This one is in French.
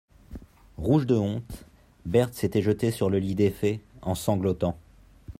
Rouge de honte, Berthe s'était jetée sur le lit défait, en sanglotant.